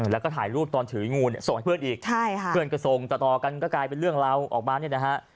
แล้วก็ถ่ายรูปตอนถืองูซ่องเพื่อนอีกเกินกระทรงต่อกันก็กลายเป็นเรื่องเล่าออกบ้านเนี่ยนะฮะ